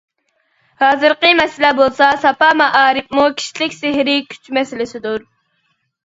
ھازىرقى مەسىلە بولسا ساپا مائارىپىمۇ كىشىلىك سېھرىي كۈچ مەسىلىسىدۇر.